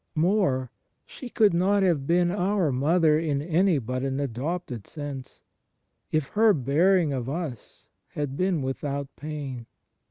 More — she could not have been our Mother in any but an adopted sense, if her bearing of us had been without pain.